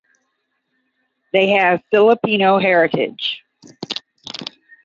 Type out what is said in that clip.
They have Filipino heritage.